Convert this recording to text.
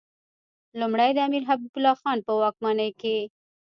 لومړی د امیر حبیب الله خان په واکمنۍ کې.